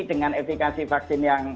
dengan efekasi vaksin yang